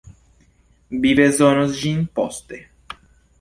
Vi bezonos ĝin poste.